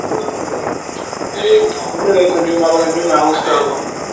wanandoa wachanga walipata nafasi ya kujiokoa